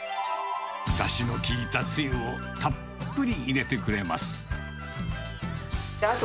だしのきいたつゆを、たっぷり入れてくれます。